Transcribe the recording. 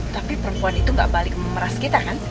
tapi perempuan itu gak balik memeras kita kan